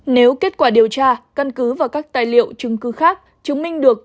nếu kết quả điều tra căn cứ và các tài liệu chứng cứ khác chứng minh được